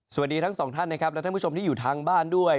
สวัสดีทั้งสองท่านนะครับและท่านผู้ชมที่อยู่ทางบ้านด้วย